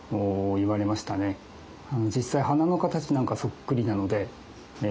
実際鼻の形なんかはそっくりなので。